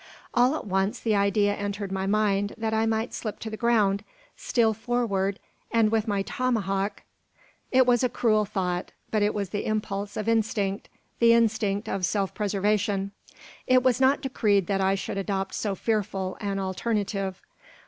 All at once, the idea entered my mind that I might slip to the ground, steal forward, and with my tomahawk It was a cruel thought, but it was the impulse of instinct, the instinct of self preservation. It was not decreed that I should adopt so fearful an alternative.